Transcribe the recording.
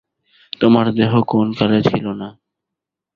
তোমার দেহ কোন কালে ছিল না।